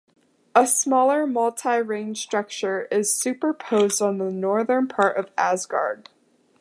A smaller multi-ring structure is superposed on the northern part of Asgard.